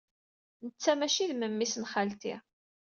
Netta maci d memmi-s n xalti.